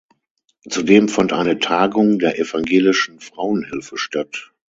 Zudem fand eine Tagung der evangelischen Frauenhilfe statt.